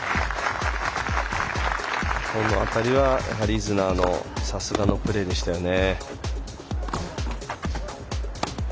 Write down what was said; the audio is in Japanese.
この辺りは、イズナーのさすがのプレーでしたよね。